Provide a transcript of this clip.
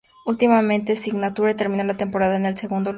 Ultimate Signature terminó la temporada en el segundo lugar.